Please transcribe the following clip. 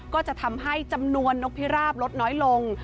ก็จะทำให้จำนวนนกพิราบลดน้อยลง